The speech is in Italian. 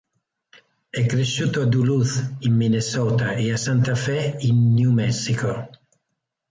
È cresciuto a Duluth, in Minnesota e a Santa Fe, in New Mexico.